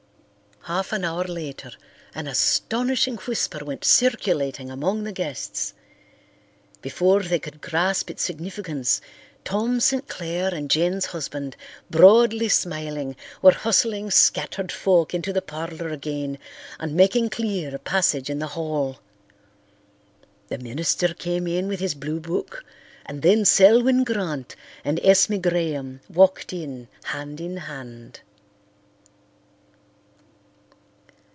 Half an hour later an astonishing whisper went circulating among the guests. Before they could grasp its significance Tom St. Clair and Jen's husband, broadly smiling, were hustling scattered folk into the parlour again and making clear a passage in the hall. The minister came in with his blue book, and then Selwyn Grant and Esme Graham walked in hand in hand.